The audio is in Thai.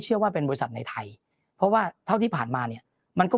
ว่าเป็นบริษัทในไทยเพราะว่าเท่าที่ผ่านมาเนี่ยมันก็